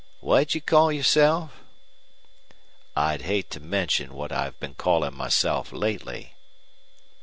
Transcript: "What'd you call yourself?" "I'd hate to mention what I've been callin' myself lately."